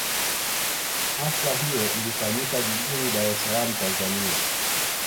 Hafla hiyo ilifanyika jijini Dar es Salaam Tanzania